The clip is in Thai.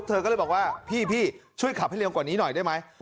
เธอก็เลยบอกว่าพี่ช่วยขับให้เร็วกว่านี้หน่อยได้ไหม